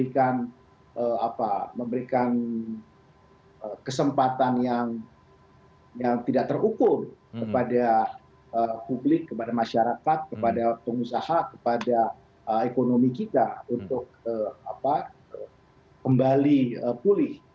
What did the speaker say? memberikan kesempatan yang tidak terukur kepada publik kepada masyarakat kepada pengusaha kepada ekonomi kita untuk kembali pulih